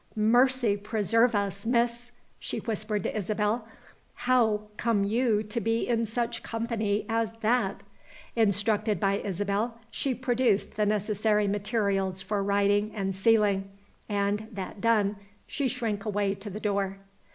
"Mercy preserve us, Miss!" she whispered to Isabel, "how come you to be in such company as that?" Instructed by Isabel, she produced the necessary materials for writing and sealing and, that done, she shrank away to the door.